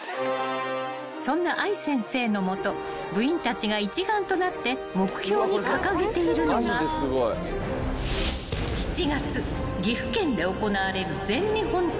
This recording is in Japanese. ［そんな愛先生の下部員たちが一丸となって目標に掲げているのが７月岐阜県で行われる］